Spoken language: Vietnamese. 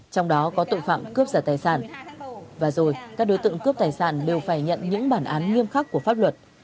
trong đó có tội phạm cướp giả tài sản và rồi các đối tượng cướp tài sản đều phải nhận những bản án nghiêm khắc của pháp luật